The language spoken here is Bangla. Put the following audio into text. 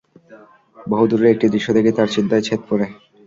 বহু দূরের একটি দৃশ্য দেখে তার চিন্তায় ছেদ পড়ে।